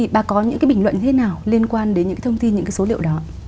bà có những bình luận thế nào liên quan đến những thông tin số liệu đó